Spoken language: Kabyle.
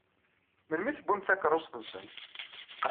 Melmi i tewwim takeṛṛust-nsent?